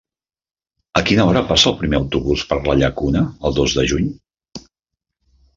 A quina hora passa el primer autobús per la Llacuna el dos de juny?